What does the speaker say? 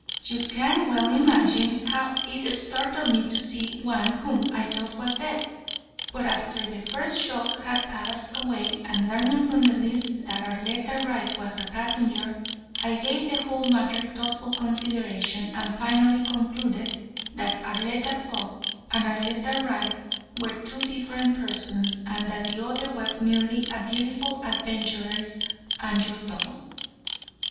You can well imagine how it startled me to see one whom I thought was dead. But after the first shock had passed away, and learning from the list that Arletta Wright was a passenger, I gave the whole matter thoughtful consideration and finally concluded that Arletta Fogg and Arletta Wright were two different persons and that the other was merely a beautiful adventuress and your double.